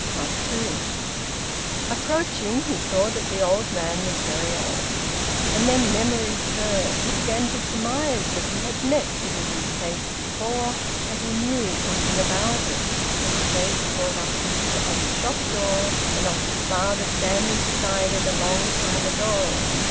TWO. Approaching, he saw that the old man was very old. And then memory stirred. He began to surmise that he had met the wizened face before, that he knew something about it. And the face brought up a picture of the shop door and of his father standing beside it, a long time ago.